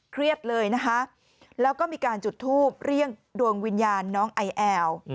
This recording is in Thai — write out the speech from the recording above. เครียดเลยนะคะแล้วก็มีการจุดทูปเรียกดวงวิญญาณน้องไอแอล